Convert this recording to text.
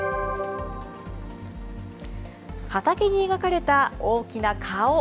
畑に描かれた大きな顔。